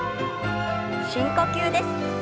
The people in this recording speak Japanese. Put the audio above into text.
深呼吸です。